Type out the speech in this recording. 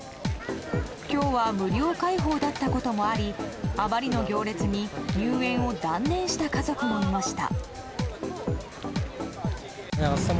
今日は無料開放だったこともありあまりの行列に入園を断念した家族もいました。